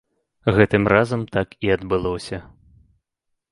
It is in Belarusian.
Гэтым разам так і адбылося.